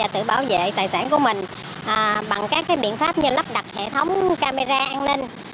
tự bảo vệ tài sản của mình bằng các biện pháp như lắp đặt hệ thống camera an ninh